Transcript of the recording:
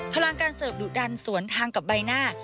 พลังการเสิร์ฟดุดันสวนทางกับใบหน้า